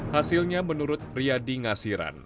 hasilnya menurut riadi ngasiran